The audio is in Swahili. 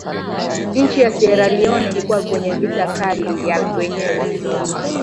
nchi ya Siera Leon ilikuwa kwenye vita kali ya wenyewe